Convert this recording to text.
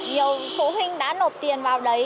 nhiều phụ huynh đã nộp tiền vào đấy